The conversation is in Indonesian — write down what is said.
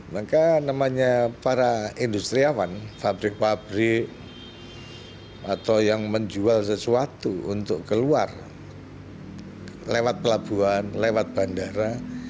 maka namanya para industriawan pabrik pabrik atau yang menjual sesuatu untuk keluar lewat pelabuhan lewat bandara